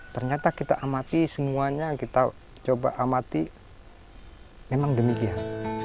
ternyata kita amati semuanya kita coba amati memang demikian